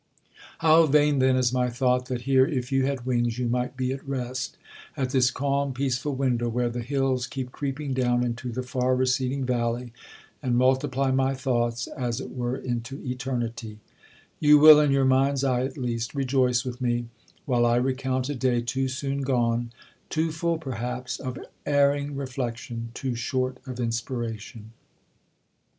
How vain then is my thought that here, if you had wings, you might be at rest at this calm peaceful window where the hills keep creeping down into the far receding valley and multiply my thoughts as it were into Eternity. You will (in your mind's eye at least) rejoice with me, while I recount a day too soon gone, too full perhaps of erring reflection, too short of inspiration. Tacitus, Agricola. Suggestions for Thought, vol. ii. p.